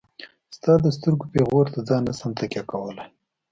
ستا د سترګو پيغور ته ځان نشم تکيه کولاي.